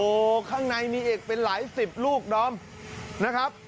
โอ้โหข้างในมีเอกเป็นหลายสิบลูกดอมนะครับ